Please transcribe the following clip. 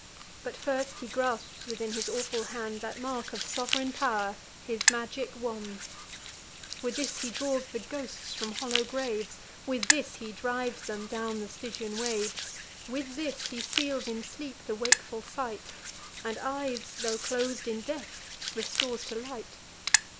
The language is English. But first he grasps within his awful hand The mark of sov'reign pow'r, his magic wand; With this he draws the ghosts from hollow graves; With this he drives them down the Stygian waves; With this he seals in sleep the wakeful sight, And eyes, tho' clos'd in death, restores to light.